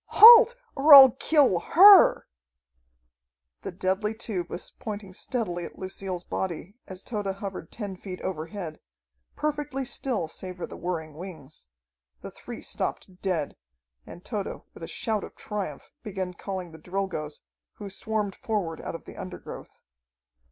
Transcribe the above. Halt, or I'll kill her!" The deadly tube was pointing steadily at Lucille's body as Tode hovered ten feet overhead, perfectly still save for the whirring wings. The three stopped dead, and Tode, with a shout of triumph, began calling the Drilgoes, who swarmed forward out of the undergrowth.